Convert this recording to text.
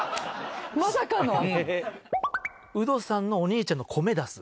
ウドさんのお兄ちゃんの米出す？